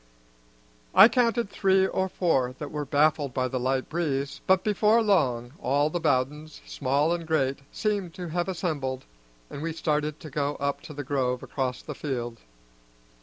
I counted three or four that were baffled by the light breeze, but before long all the Bowdens, small and great, seemed to have assembled, and we started to go up to the grove across the field.